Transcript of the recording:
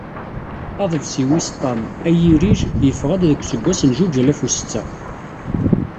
Aḍebsi wis ṭam "A irij", yeffeɣ-d deg useggas n zuǧ alaf u setta.